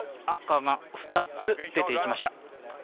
赤が２つ出ていきました。